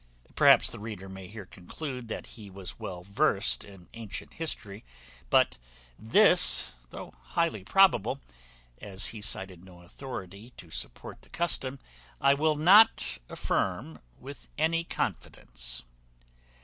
Perhaps the reader may here conclude that he was well versed in antient history; but this, though highly probable, as he cited no authority to support the custom, I will not affirm with any confidence.